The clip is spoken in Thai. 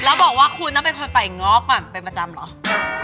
แล้วบอกว่าคุณน่าเป็นคนใส่ง้อเป็นประจำเหรอ